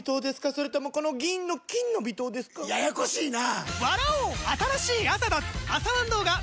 それともこの銀の「金の微糖」ですか？ややこしいなぁ！